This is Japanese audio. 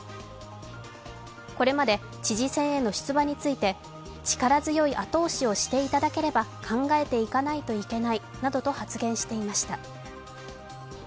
これまで、知事選への出馬について力強い後押しをしていただければ考えていかないといけないなどと発言していました。